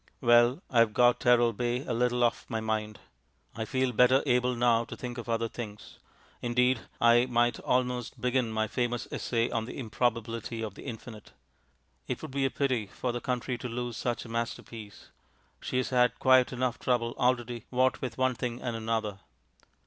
Well, I have got "Teralbay" a little off my mind. I feel better able now to think of other things. Indeed, I might almost begin my famous essay on "The Improbability of the Infinite." It would be a pity for the country to lose such a masterpiece she has had quite enough trouble already what with one thing and another.